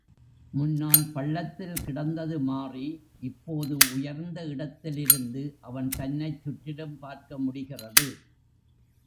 முன்னால் பள்ளத்தில் கிடந்தது மாறி, இப்போது உயர்ந்த இடத்திலிருந்து அவன் தன்னைச் சுற்றிலும் பார்க்க முடிகிறது.